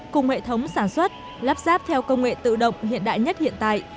cùng hệ thống sản xuất lắp ráp theo công nghệ tự động hiện đại nhất hiện tại